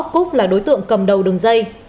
cúc là đối tượng cầm đầu đường dây